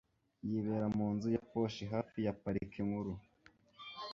Yibera mu nzu ya posh hafi ya Parike Nkuru